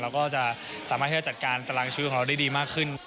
เราก็จะสามารถที่จะจัดการตารางชีวิตของเราได้ดีมากขึ้น